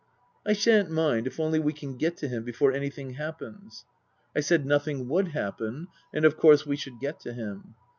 " I shan't mind if only we can get to him before anything happens." I said nothing would happen, and of course we should get to him.